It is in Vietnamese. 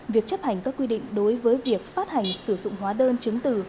việc chấp hành các quy định đối với việc phát hành sử dụng hóa đơn chứng từ